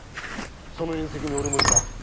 その宴席に俺もいた。